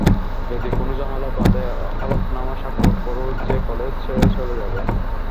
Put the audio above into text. যদি কোনো ঝামেলা বাঁধে হলফনামা স্বাক্ষর করো যে কলেজ ছেড়ে চলে যাবে।